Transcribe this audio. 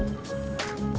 bukan masalah mahal atau murah